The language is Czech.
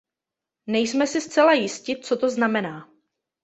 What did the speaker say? Nejsme si zcela jisti, co to znamená.